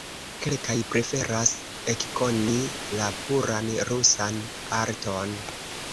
Kelkaj preferas ekkoni la puran rusan arton.